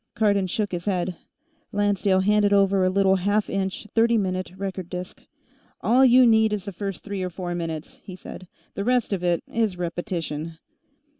Cardon shook his head. Lancedale handed over a little half inch, thirty minute, record disk. "All you need is the first three or four minutes," he said. "The rest of it is repetition."